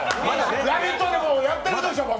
「ラヴィット！」でもやってるでしょ、僕！！